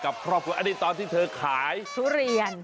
เบอร์เกอร์